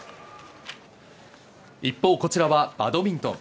一方、こちらはバドミントン。